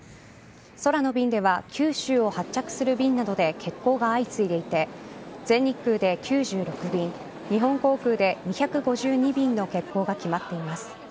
空の便では九州を発着する便などで欠航が相次いでいて全日空で９６便日本航空で２５２便の欠航が決まっています。